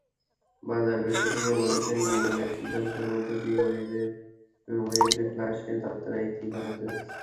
বাজার বিশ্লেষকেরা বলছেন, গুগলের সিদ্ধান্তের মধ্য দিয়ে ওয়েবে ফ্ল্যাশের যাত্রার ইতি ঘটতে যাচ্ছে।